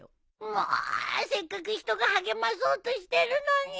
もうせっかく人が励まそうとしてるのに！